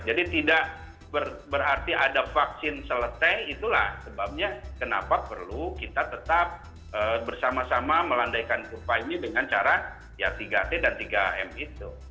jadi tidak berarti ada vaksin seleteng itulah sebabnya kenapa perlu kita tetap bersama sama melandaikan kurva ini dengan cara tiga t dan tiga m itu